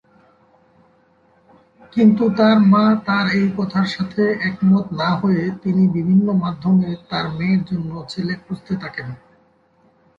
কিন্তু তার মা তার এই কথার সাথে একমত না হয়ে তিনি বিভিন্ন মাধ্যমে তার মেয়ের জন্য ছেলে খুঁজতে থাকেন।